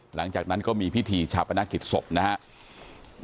หลังจากนั้นก็มีพิธีชาปนกิจศพนะครับ